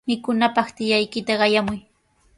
Mikunanpaq tiyaykita qayamuy.